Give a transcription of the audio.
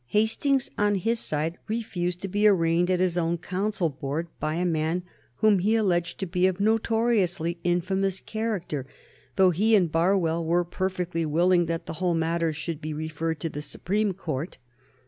Hastings, on his side, refused to be arraigned at his own Council board by a man whom he alleged to be of notoriously infamous character, though he and Barwell were perfectly willing that the whole matter should be referred to the Supreme Court.